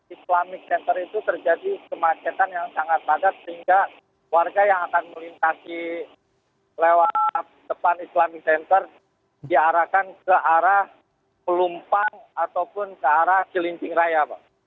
islamic center itu terjadi kemacetan yang sangat padat sehingga warga yang akan melintasi lewat depan islamic center diarahkan ke arah pelumpang ataupun ke arah cilincing raya